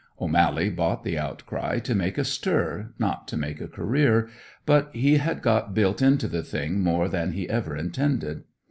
O'Mally bought "The Outcry" to make a stir, not to make a career, but he had got built into the thing more than he ever intended.